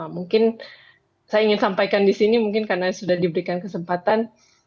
mungkin saya ingin sampaikan di sini mungkin karena sudah diberikan kesempatan